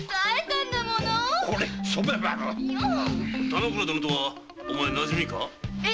田之倉殿はお前のなじみか？